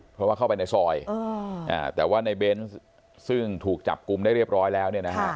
เพราะว่าเข้าไปในซอยแต่ว่าในเบนส์ซึ่งถูกจับกลุ่มได้เรียบร้อยแล้ว